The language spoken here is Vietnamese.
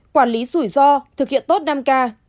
quản lý rủi ro thực hiện tốt năm k